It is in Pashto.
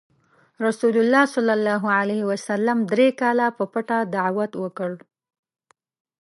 رسول الله ﷺ دری کاله په پټه دعوت وکړ.